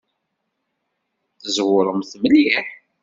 Tzewṛemt mliḥ!